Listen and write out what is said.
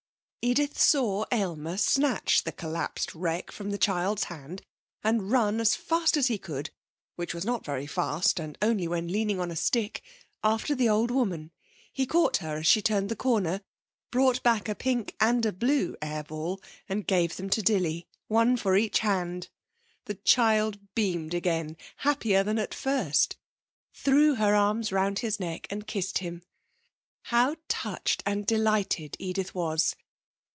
Edith saw Aylmer snatch the collapsed wreck from the child's hand and run as fast as he could (which was not very fast, and only when leaning on a stick) after the old woman.... He caught her as she turned the corner, brought back a pink and a blue air ball and gave them to Dilly, one for each hand. The child beamed again, happier than at first, threw her arms round his neck and kissed him. How touched and delighted Edith was!